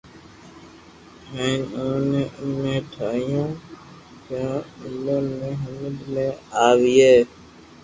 ھين اوني امي ٺايو پسو اموني ھمج ۾ اوئي